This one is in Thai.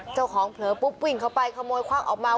เจ้าของเผลอปุ๊บวิ่งเข้าไปขโมยควังออกมา